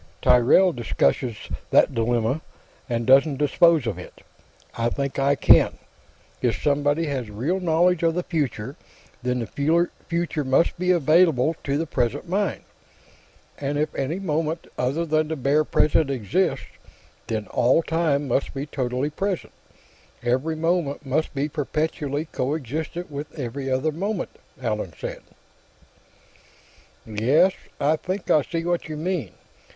"Tyrrell discusses that dilemma, and doesn't dispose of it. I think I can. If somebody has real knowledge of the future, then the future must be available to the present mind. And if any moment other than the bare present exists, then all time must be totally present; every moment must be perpetually coexistent with every other moment," Allan said. "Yes. I think I see what you mean.